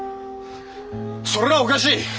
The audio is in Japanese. それはおかしい！